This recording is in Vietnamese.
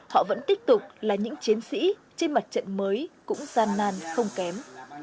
họ vẫn tiếp tục là những chiến sĩ trên mặt trận mới cũng gian nan không kém